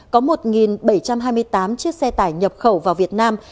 có một bảy trăm hai mươi tám chiếc xe tải nhập khẩu vào việt nam